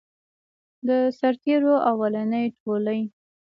د سرتیرو اولنی ټولۍ.